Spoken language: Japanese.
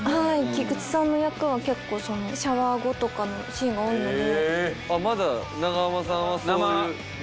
菊池さんの役は結構シャワー後とかのシーンが多いので。